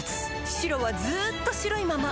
白はずっと白いまま